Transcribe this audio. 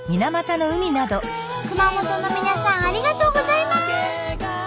熊本の皆さんありがとうございます！